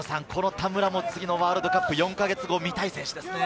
田村も次のワールドカップ、見たい選手ですね。